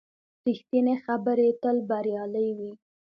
ریښتینې خبرې تل بریالۍ وي.